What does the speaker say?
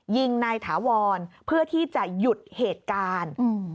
ยิงนายถาวรเพื่อที่จะหยุดเหตุการณ์